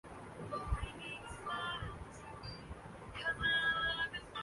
یہ اہم سوال ہے۔